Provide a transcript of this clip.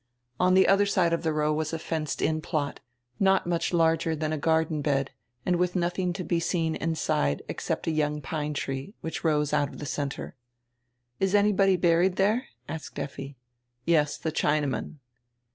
On the other side of the road was a fenced in plot, not much larger than a garden bed, and with nothing to be seen inside except a young pine tree, which rose out of the centre. "Is anybody buried there ?"asked Effi. "Yes, the Chinaman."